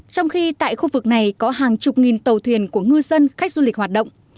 trong khi tại khu vực này có hàng chục nghìn tàu thuyền của ngư dân khách du lịch hoạt động